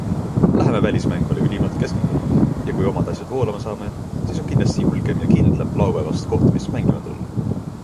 Läheme välismängule ülimalt keskendunult ja kui omad asjad voolama saame, siis on kindlasti julgem ja kindlam laupäevast kohtumist mängima tulla.